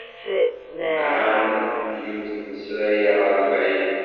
Lemmεen yiwet n ssṛaya ɣer lebεid.